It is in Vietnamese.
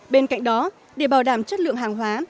bên cạnh đó để bảo đảm chất lượng hàng hóa